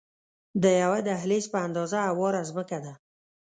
د یوه دهلیز په اندازه هواره ځمکه ده.